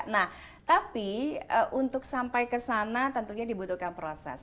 nah tapi untuk sampai ke sana tentunya dibutuhkan proses